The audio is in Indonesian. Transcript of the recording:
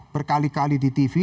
berkali kali di tv